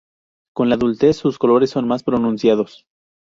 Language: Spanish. Con la adultez sus colores son más pronunciados.